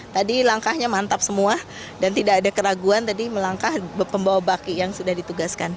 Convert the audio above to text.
jadi langkahnya mantap semua dan tidak ada keraguan tadi melangkah pembawa baki yang sudah ditugaskan